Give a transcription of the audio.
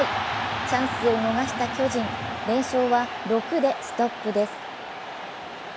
チャンスを逃した巨人、連勝は６でストップです。